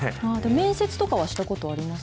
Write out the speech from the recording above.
面接とかはしたことあります？